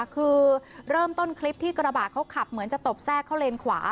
คือเริ่มต้นคลิปที่กระบะเขาขับเหมือนจะตบแทรกเข้าเลนขวา